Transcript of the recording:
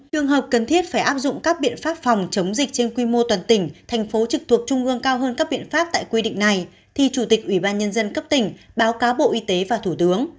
trường hợp cần thiết phải áp dụng các biện pháp phòng chống dịch trên quy mô toàn tỉnh thành phố trực thuộc trung ương cao hơn các biện pháp tại quy định này thì chủ tịch ủy ban nhân dân cấp tỉnh báo cáo bộ y tế và thủ tướng